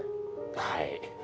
はい。